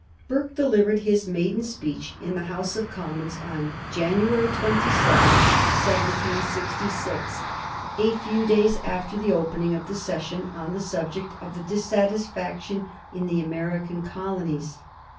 Burke delivered his maiden speech in the House of Commons on January 27, 1766, a few days after the opening of the session, on the subject of the dissatisfaction in the American colonies.